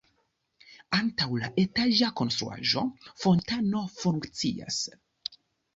Antaŭ la etaĝa konstruaĵo fontano funkcias.